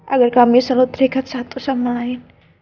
agar kami selalu terikat satu sama lain